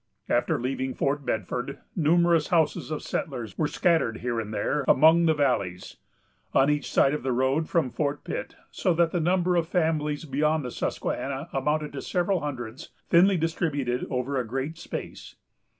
After leaving Fort Bedford, numerous houses of settlers were scattered here and there among the valleys, on each side of the road from Fort Pitt, so that the number of families beyond the Susquehanna amounted to several hundreds, thinly distributed over a great space.